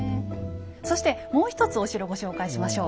そしてもう一つお城ご紹介しましょう。